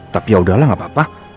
tapi yaudahlah gak apa apa